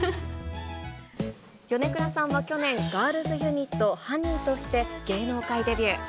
米倉さんは去年、ガールズユニット、８２１として芸能界デビュー。